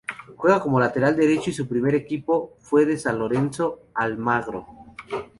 Juega como lateral derecho y su primer equipo fue San Lorenzo de Almagro.